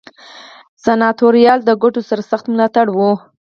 سناتوریال د ګټو سرسخت ملاتړي وو.